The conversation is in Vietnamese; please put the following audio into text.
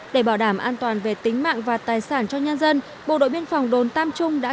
để bảo đảm an toàn về tính mạng và tài sản cho nhân dân bộ đội biên phòng đồn tam trung đã